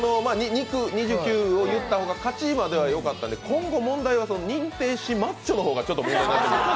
２９を言った方が勝ちまではよかったんですが今後、問題は認定シマッチョの方がちょっと問題です。